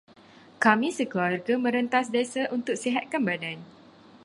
Kami sekeluarga merentas desa untuk sihatkan badan.